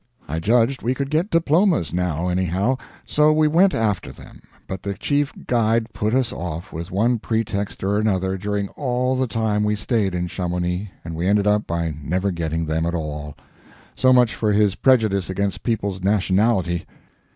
I judged we could get diplomas, now, anyhow; so we went after them, but the Chief Guide put us off, with one pretext or another, during all the time we stayed in Chamonix, and we ended by never getting them at all. So much for his prejudice against people's nationality.